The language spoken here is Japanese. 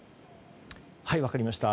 分かりました。